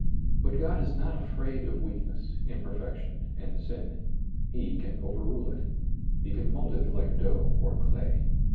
But God is not afraid of weakness, imper fection, and sin. He can overrule it He can mold it like dough or clay.